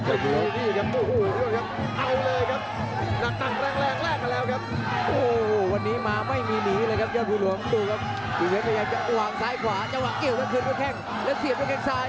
โอ้โหวันนี้มาไม่มีหนีเลยครับเยอะพี่รวมดูครับมีเฮ็ดพยายามจะวางซ้ายขวาจะหวังเอียวด้วยคืนด้วยแข็งแล้วเสียด้วยแข็งซ้าย